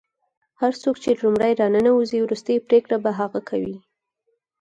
هر څوک چې لومړی راننوځي وروستۍ پرېکړه به هغه کوي.